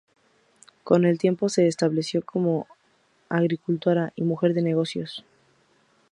Con el tiempo, se estableció como agricultora y mujer de negocios.